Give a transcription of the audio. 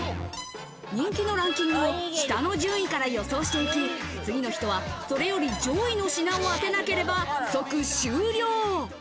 人気のランキングを下の順位から予想して行き、次の人はそれより上位の品を当てなければ即終了。